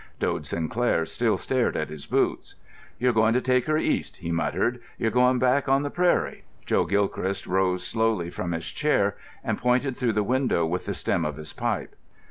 Dode Sinclair still stared at his boots. "You're going to take her East," he muttered. "You're going back on the prairie." Joe Gilchrist rose slowly from his chair and pointed through the window with the stem of his pipe.